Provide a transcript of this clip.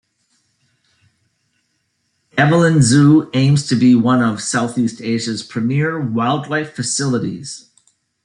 Avilon Zoo aims to be one of Southeast Asia's premiere wildlife facilities.